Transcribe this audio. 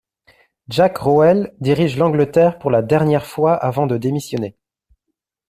Jack Rowell dirige l'Angleterre pour la dernière fois avant de démissionner.